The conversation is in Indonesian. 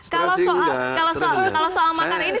kalau soal makar ini